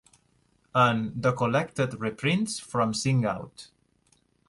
En The Collected Reprints from Sing Out!